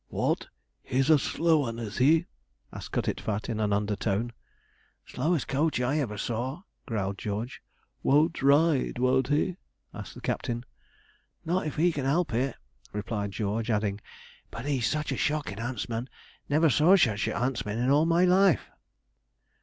'What! he's a slow 'un, is he?' asked Cutitfat, in an undertone. 'Slowest coach I ever saw,' growled George. 'Won't ride, won't he?' asked the Captain. 'Not if he can help it,' replied George, adding, 'but he's such a shocking huntsman never saw such a huntsman in all my life.'